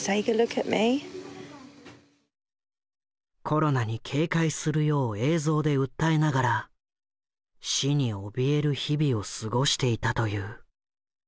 コロナに警戒するよう映像で訴えながら死におびえる日々を過ごしていたという。